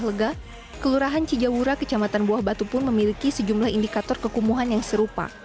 lega kelurahan cijawura kecamatan buah batu pun memiliki sejumlah indikator kekumuhan yang serupa